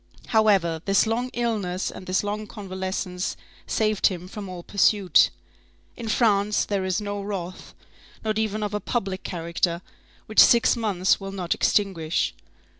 However, this long illness and this long convalescence saved him from all pursuit. In France, there is no wrath, not even of a public character, which six months will not extinguish.